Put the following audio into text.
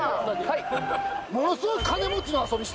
はい。